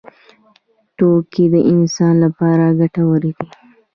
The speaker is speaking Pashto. توکي د انسان لپاره ګټور دي.